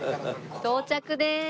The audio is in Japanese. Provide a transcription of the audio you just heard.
到着です。